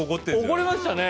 起こりましたね。